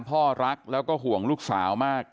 พ่อรักแล้วก็ห่วงลูกสาวมาก